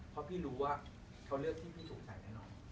เพราะพี่รู้ว่าเขาเลือกที่พี่สงสัยแน่นอน